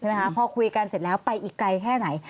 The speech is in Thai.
ใช่ไหมคะพอคุยกันเสร็จแล้วไปอีกไกลแค่ไหน